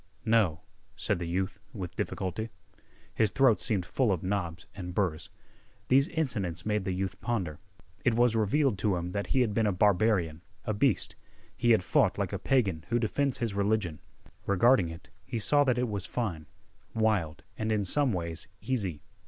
"No," said the youth with difficulty. His throat seemed full of knobs and burrs. These incidents made the youth ponder. It was revealed to him that he had been a barbarian, a beast. He had fought like a pagan who defends his religion. Regarding it, he saw that it was fine, wild, and, in some ways, easy.